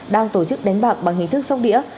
đang tổ chức đánh bạc bằng hình thức sóc đĩa